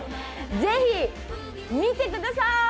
ぜひ見てください。